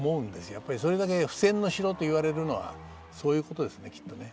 やっぱりそれだけ不戦の城と言われるのはそういうことですねきっとね。